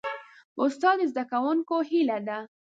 استاد د زدهکوونکو هیله ده.